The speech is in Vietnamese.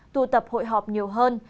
tụ tập hội họp nhiều hơn